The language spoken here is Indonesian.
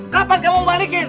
kapan kamu kembalikan